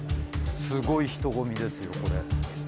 すごい人混みですよこれ。